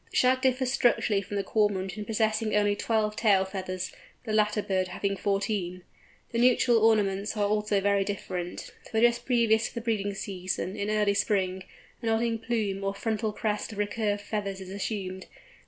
The Shag differs structurally from the Cormorant in possessing only twelve tail feathers, the latter bird having fourteen. The nuptial ornaments are also very different, for just previous to the pairing season, in early spring, a nodding plume or frontal crest of recurved feathers is assumed.